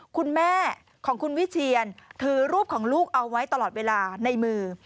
คุณแม่ของคุณวิเชียนถือรูปของลูกเอาไว้ตลอดเวลาในมือ